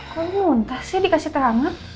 kok muntah sih dikasih teh anget